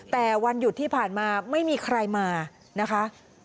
แต่วันหยุดที่ผ่านมาไม่มีใครมานะคะ